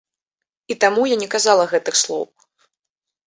І таму я не казала гэтых слоў.